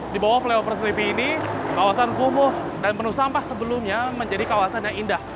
di bawah flyover streety ini kawasan kumuh dan penuh sampah sebelumnya menjadi kawasan yang indah